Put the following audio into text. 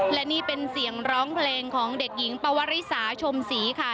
และนี่เป็นเสียงร้องเพลงของเด็กหญิงปวริสาชมศรีค่ะ